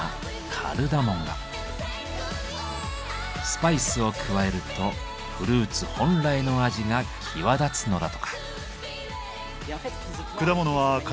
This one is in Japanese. スパイスを加えるとフルーツ本来の味が際立つのだとか。